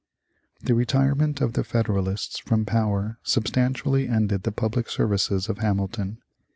The retirement of the Federalists from power substantially ended the public services of Hamilton.